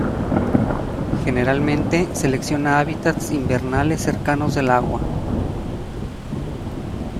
Generalmente selecciona hábitats invernales cercanos del agua.